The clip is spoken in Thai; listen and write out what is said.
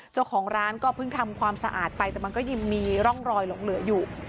เจ้าของร้านก็เพิ่งทำความสะอาดไปแต่มันก็ยังมีร่องรอยหลงเหลืออยู่